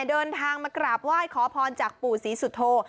เดินทางมากราบไหว้ขอพรจากปู่ศรีสุโธ